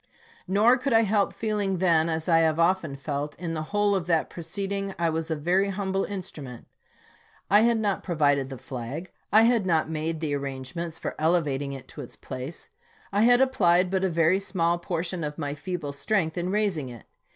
Nor could I help feeling then, as I often have felt, in the whole of that proceeding I was a very humble in strument. I had not provided the flag ; I had not made the arrangements for elevating it to its place ; I had ap plied but a very small portion of my feeble strength in raising it.